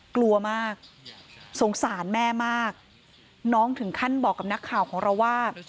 กลัวมากสงสารแม่มากน้องถึงขั้นบอกกับนักข่าวของเราว่า